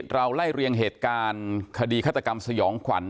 เราไล่เรียงเหตุการณ์คดีฆาตกรรมสยองขวัญ